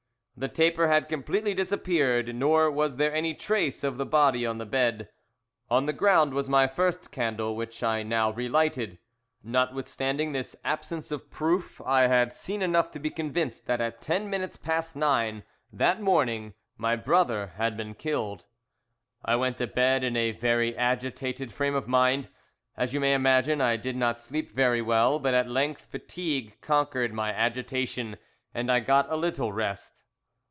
"The taper had completely disappeared, nor was there any trace of the body on the bed. "On the ground was my first candle, which I now relighted. "Notwithstanding this absence of proof, I had seen enough to be convinced that at ten minutes past nine that morning my brother had been killed. I went to bed in a very agitated frame of mind. "As you may imagine, I did not sleep very well, but at length fatigue conquered my agitation and I got a little rest.